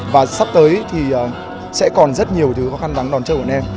và sắp tới thì sẽ còn rất nhiều thứ khó khăn đáng đòn chơi bọn em